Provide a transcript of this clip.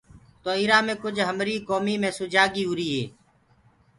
تو اِرآ مي ڪُج هميريٚ ڪومي مي سُجاڳي هُري هي۔